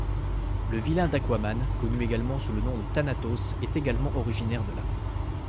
Le vilain d'Aquaman, connu sous le nom de Thanatos, est également originaire de là.